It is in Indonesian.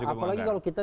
apalagi kalau kita